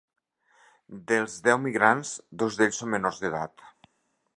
Dels deu migrants, dos d’ells són menors d’edat.